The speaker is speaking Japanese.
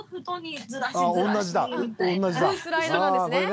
スライドなんですね。